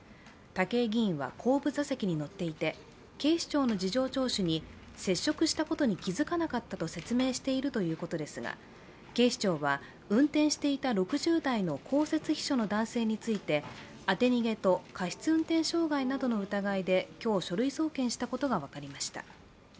武井議員は後部座席に乗っていて警視庁の事情聴取に接触したことに気付かなかったと説明しているということですが、警視庁は、運転していた６０代の公設秘書の男性について当て逃げと過失運転傷害などの疑いで今日、書類送検したことが分かりました。